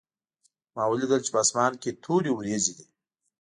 ما ولیدل چې په اسمان کې تورې وریځې دي